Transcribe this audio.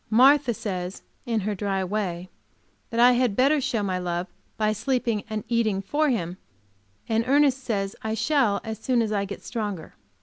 Martha says, in her dry way, that I had better show my love by sleeping and eating for him, and Ernest says I shall, as soon as I get stronger.